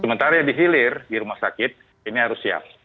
sementara di hilir di rumah sakit ini harus siap